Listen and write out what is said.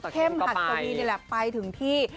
เข็มหัดตัวนี้นี่แหละไปถึงที่